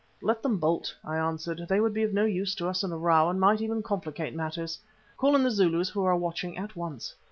"Let them bolt," I answered. "They would be of no use to us in a row and might even complicate matters. Call in the Zulus who are watching at once."